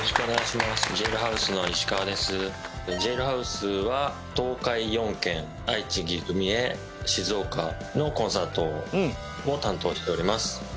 ＪＡＩＬＨＯＵＳＥは東海４県愛知岐阜三重静岡のコンサートを担当しております。